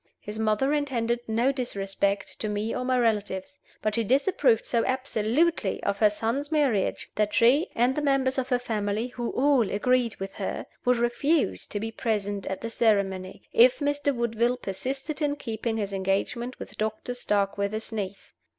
His mother intended no disrespect to me or my relatives, but she disapproved so absolutely of her son's marriage that she (and the members of her family, who all agreed with her) would refuse to be present at the ceremony, if Mr. Woodville persisted in keeping his engagement with Dr. Starkweather's niece.